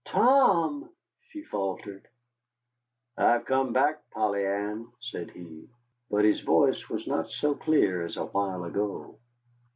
"Tom!" she faltered. "I've come back, Polly Ann," said he. But his voice was not so clear as a while ago.